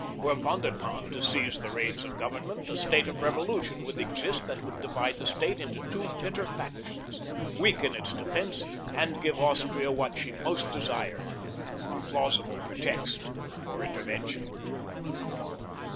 Were Von der Tann to seize the reins of government a state of revolution would exist that would divide the state into two bitter factions, weaken its defense, and give Austria what she most desired—a plausible pretext for intervention.